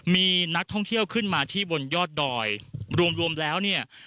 มีนักท่องเที่ยวขึ้นมาที่บนยอดดอยรวมรวมแล้วเนี่ย